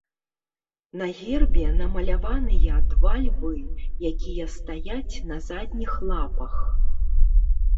На гербе намаляваныя два львы, якія стаяць на задніх лапах.